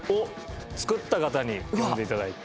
作った方に読んでいただいて。